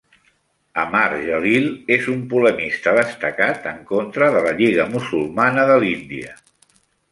Amar Jaleel és un polemista destacat en contra de la Lliga Musulmana de l'Índia.